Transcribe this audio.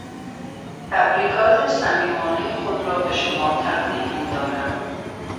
تبریکات صمیمانهٔ خود را بشما تقدیم میدارم.